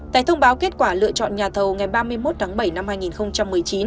tại thông báo kết quả lựa chọn nhà thầu ngày ba mươi một tháng bảy năm hai nghìn một mươi chín